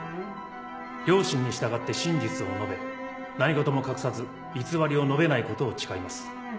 良心に従って真実を述べ何事も隠さず偽りを述べないことを誓います。